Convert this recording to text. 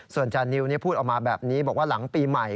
ส่วนจานิวพูดออกมาแบบนี้บอกว่าหลังปีใหม่